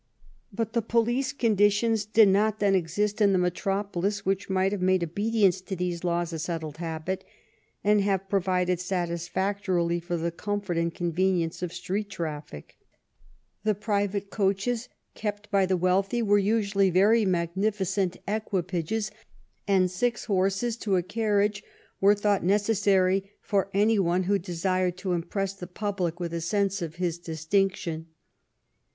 But the police con ditions did not then exist in the metropolis which might have made obedience to these laws a settled habit, and have provided satisfactorily for the comfort and convenience of street traffic. The private coaches 201 THE REIGN OP QUEEN ANNE kept by the wealthy were usually very magnificent equipages, and six horses to a carriage were thought necessary for any one who desired to impress the pub lic with a sense of his distinction.